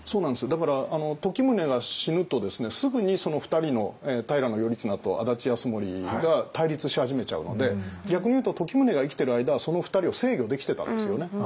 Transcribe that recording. だから時宗が死ぬとすぐに２人の平頼綱と安達泰盛が対立し始めちゃうので逆にいうと時宗が生きてる間はその２人を制御できてたんですよね